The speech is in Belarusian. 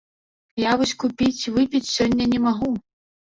Я вось купіць выпіць сёння не магу.